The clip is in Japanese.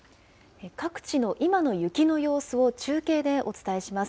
各地の今の雪の様子を中継でお伝えします。